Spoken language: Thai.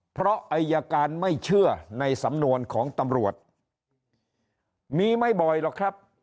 เพราะอายการไม่เชื่อในสำนวนของตำรวจมีไม่บ่อยหรอกครับ